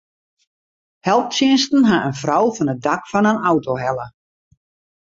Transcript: Helptsjinsten ha in frou fan it dak fan in auto helle.